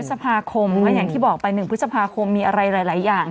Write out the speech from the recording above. พฤษภาคมก็อย่างที่บอกไป๑พฤษภาคมมีอะไรหลายอย่าง